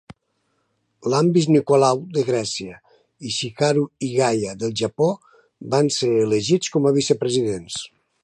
Lambis Nikolaou de Grècia i Chiharu Igaya del Japó van ser elegits com a vicepresidents.